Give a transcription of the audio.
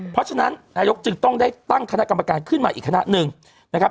เพราะฉะนั้นนายกจึงต้องได้ตั้งคณะกรรมการขึ้นมาอีกคณะหนึ่งนะครับ